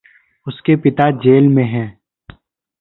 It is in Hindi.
उसके पिता जेल में हैं।